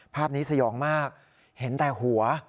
ภาพนี้สยองมากเห็นแต่หัว